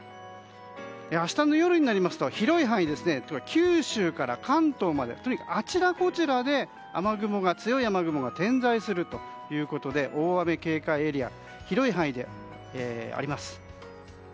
明日の夜になりますと広い範囲で九州から関東までとにかくあちらこちらで強い雨雲が点在するということで大雨警戒エリア広い範囲であります。